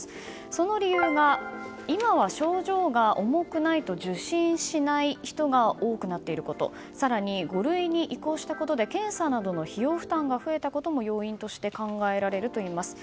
その理由が今は症状が重くないと受診しない人が多くなっていること更に５類に移行したことで検査などの費用負担が増えたことも要因として考えられるといいます。